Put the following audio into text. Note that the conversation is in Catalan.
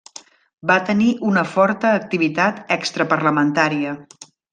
Va tenir una forta activitat extraparlamentària.